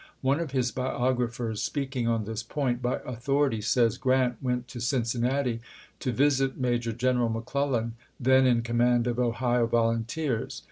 One of his biogi aphers, speaking on this point by authority, says :" Grant went to Cincinnati to visit Major General McClellan, then in command of Ohio volunteers.